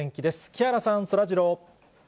木原さん、そらジロー。